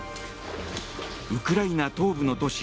ウクライナ東部の都市